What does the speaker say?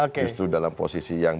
justru dalam posisi yang